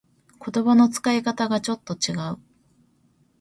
言葉の使い方がちょっと違う